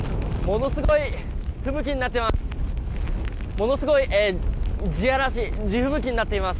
ものすごい吹雪になっています。